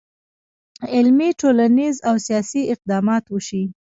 علمي، ټولنیز، او سیاسي اقدامات وشي.